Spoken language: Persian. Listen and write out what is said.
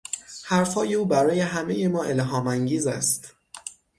حرفهای او برای همهی ما الهامانگیز است.